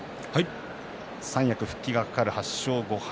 三役復帰が懸かる８勝５敗